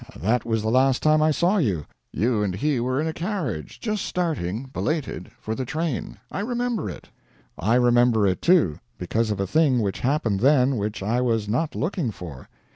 That was the last time I saw you. You and he were in a carriage, just starting belated for the train. I remember it." "I remember it too, because of a thing which happened then which I was not looking for.